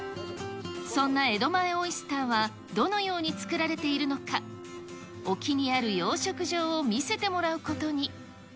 そんな江戸前オイスターは、どのように作られているのか、沖にある養殖場を見せてもらうことに。